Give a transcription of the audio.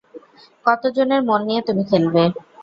কতজনের মন নিয়ে তুমি খেলবে?